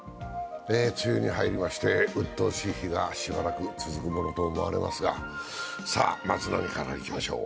梅雨に入りましてうっとうしい日がしばらく続くものと思われますがさあ、まず何からいきましょう。